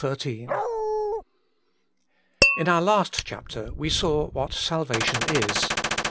j IN our last chapter we saw what salvation is.